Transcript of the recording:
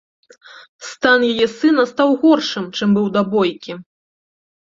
Стан яе сына стаў горшым, чым быў да бойкі.